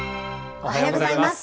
おはようございます。